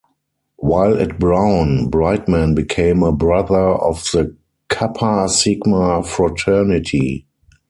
While at Brown, Brightman became a brother of the Kappa Sigma Fraternity.